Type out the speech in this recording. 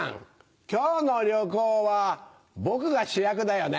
今日の旅行は僕が主役だよね？